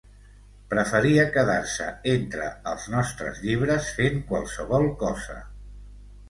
Preferia quedar-se entre els nostres llibres, fent qualsevol cosa.